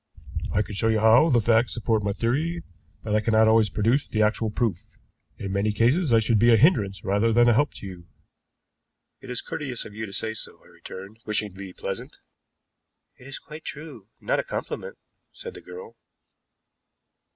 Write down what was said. I can show you how the facts support my theory, but I cannot always produce the actual proof. In many cases I should be a hindrance rather than a help to you." "It is courteous of you to say so," I returned, wishing to be pleasant. "It is quite true, not a compliment," said the girl.